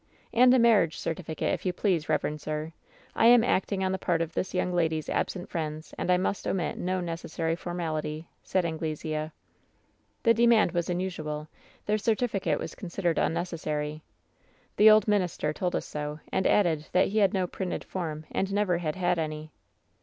" ^And a marriage certificate, if vou please, reverend sir. I am acting oS the part of W yo^ lady's al^ent friends, and I must omit no necessary formality,' said Anglesea. "The demand was unusual ; the certificate was consid ered unnecessary. The old minister told us so, and added that he had no printed form and never had had any.